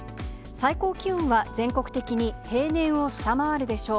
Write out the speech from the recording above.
最高気温は全国的に平年を下回るでしょう。